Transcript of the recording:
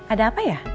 ada apa ya